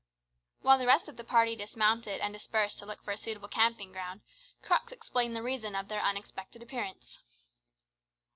While the rest of the party dismounted and dispersed to look for a suitable camping ground, Crux explained the reason of their unexpected appearance.